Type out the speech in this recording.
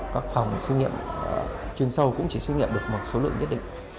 các phòng xét nghiệm chuyên sâu cũng chỉ xét nghiệm được một số lượng nhất định